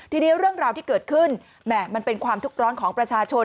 ทีนี้เรื่องราวที่เกิดขึ้นแหม่มันเป็นความทุกข์ร้อนของประชาชน